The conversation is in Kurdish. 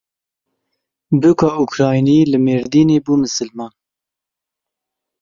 Bûka Ukraynî li Mêrdînê bû misilman.